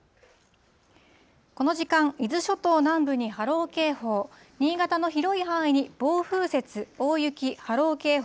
この時間、伊豆諸島南部に波浪警報、新潟の広い範囲に暴風雪、大雪、波浪警報。